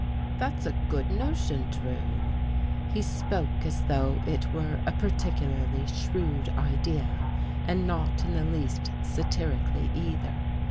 " That's a good notion. Drew." He spoke as though it were a particularly shrewd Idea, and not in the least satirically either.